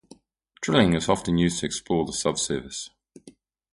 Drilling is often used to explore the subsurface.